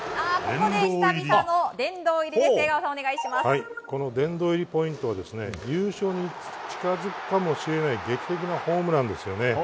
この殿堂入りポイントは優勝に近づくかもしれない劇的なホームランです。